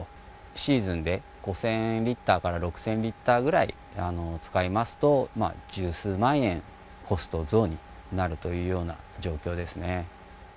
シーズンで５０００リッターから６０００リッターぐらい使いますと、十数万円、コスト増になるというような状況ですね。